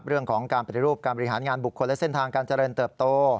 เรื่องของการปฏิรูปการบริหารงานบุคคลและเส้นทางการเจริญเติบโต